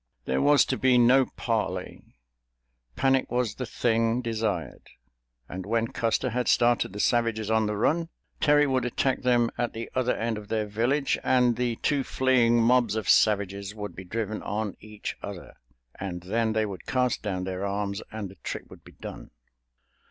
There was to be no parley—panic was the thing desired, and when Custer had started the savages on the run, Terry would attack them at the other end of their village, and the two fleeing mobs of savages would be driven on each other, and then they would cast down their arms and the trick would be done.